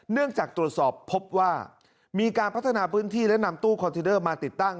เนื่องจากตรวจสอบพบว่ามีการพัฒนาพื้นที่และนำตู้คอนเทนเดอร์มาติดตั้ง